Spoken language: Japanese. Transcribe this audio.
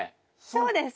そうです。